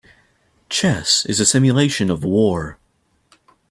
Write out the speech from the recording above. Chess is a simulation of war.